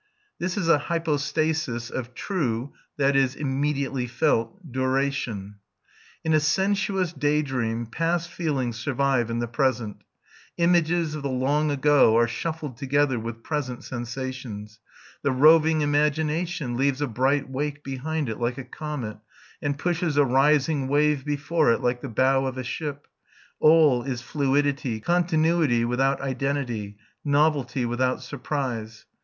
This is a hypostasis of "true" (i.e. immediately felt) duration. In a sensuous day dream past feelings survive in the present, images of the long ago are shuffled together with present sensations, the roving imagination leaves a bright wake behind it like a comet, and pushes a rising wave before it, like the bow of a ship; all is fluidity, continuity without identity, novelty without surprise.